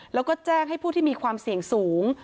แล้วก็แจ้งให้ผู้ที่มีความเสี่ยงสูง